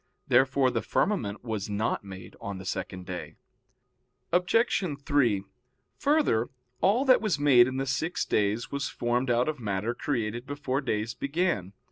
Therefore the firmament was not made on the second day. Obj. 3: Further, all that was made in the six days was formed out of matter created before days began.